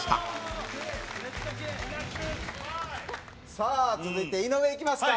さあ続いて井上いきますか。